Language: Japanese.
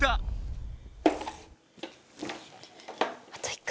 あと１回。